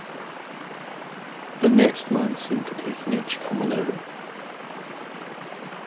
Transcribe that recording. The next man seemed to take an age coming out.